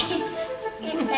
eh kudah pak